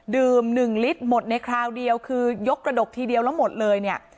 หนึ่งลิตรหมดในคราวเดียวคือยกระดกทีเดียวแล้วหมดเลยเนี่ย